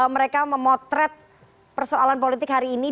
mereka memotret persoalan politik hari ini